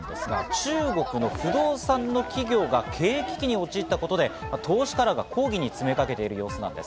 中国の不動産の企業が経営危機に陥ったことで投資家らが抗議に詰めかけている様子です。